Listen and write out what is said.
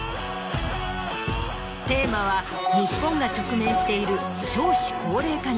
テーマは日本が直面している。